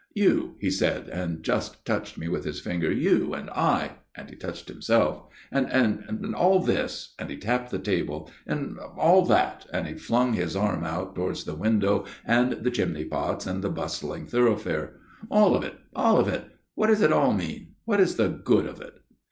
"' You,' he said, and just touched me with his 28 A MIRROR OF SHALOTT finger, c you and I,' and he touched himself, ' and and all this,' and he tapped the table, ' and all that,' and he flung his arm out towards the window and the chimney pots and the bustling i thoroughfare. ' All of it all of it what does i it all mean, what is the good of it